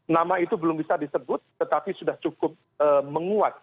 nama itu belum bisa disebut tetapi sudah cukup menguat